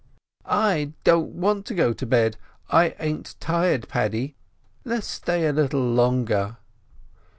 "I don't want to go to bed; I aint tired, Paddy—les's stay a little longer."